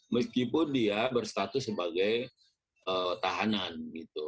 meskipun dia berstatus sebagai tahanan gitu